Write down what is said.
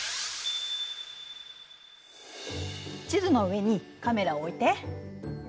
地図の上にカメラを置いて。